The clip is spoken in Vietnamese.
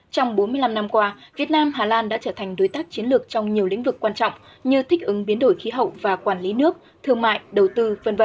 trong bốn mươi năm năm qua việt nam hà lan đã trở thành đối tác chiến lược trong nhiều lĩnh vực quan trọng như thích ứng biến đổi khí hậu và quản lý nước thương mại đầu tư v v